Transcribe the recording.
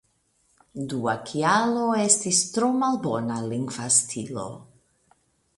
Dua kialo estis tro malbona lingva stilo.